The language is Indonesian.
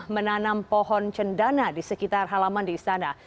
menanam pohon cendana di sekitar halaman di istana